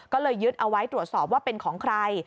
ก็เลยยึดเอาไว้ตรวจสอบว่าเป็นของใคร